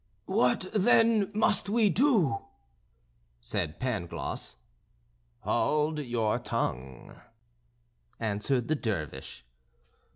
"What, then, must we do?" said Pangloss. "Hold your tongue," answered the Dervish.